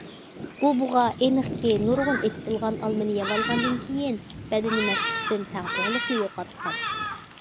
بۇ بۇغا ئېنىقكى نۇرغۇن ئېچىتىلغان ئالمىنى يەۋالغاندىن كېيىن، بەدىنى مەستلىكتىن تەڭپۇڭلۇقنى يوقاتقان.